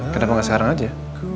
kenapa gak sekarang aja